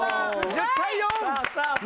１０対４。